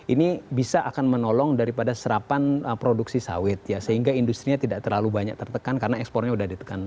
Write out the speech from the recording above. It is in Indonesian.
ini bisa akan menolong daripada serapan produksi sawit ya sehingga industri nya tidak terlalu banyak tertekan karena ekspornya sudah ditekan